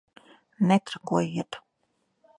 Netrakojiet!